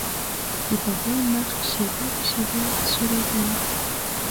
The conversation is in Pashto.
د ببۍ مخ شېبه په شېبه سورېده.